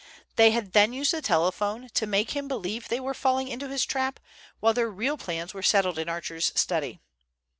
They had then used the telephone to make him believe they were falling into his trap, while their real plans were settled in Archer's study.